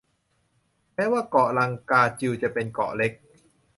แม้ว่าเกาะลังกาจิวจะเป็นเกาะเล็ก